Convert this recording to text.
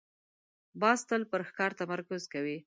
باز تل پر ښکار تمرکز کوي